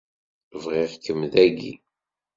Bɣiɣ-kem dagi.